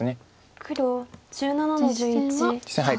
黒１７の十一。